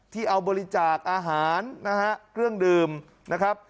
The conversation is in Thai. ที่เอาบริจาคอาหารนะฮะเครื่องดื่มนะครับ